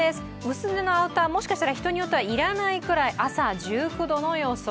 薄手のアウター、もしかしたら人によっては要らないくらい朝１９度の予想。